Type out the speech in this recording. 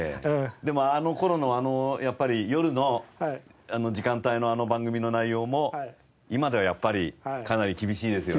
でもあの頃のやっぱり夜の時間帯のあの番組の内容も今ではやっぱりかなり厳しいですよね。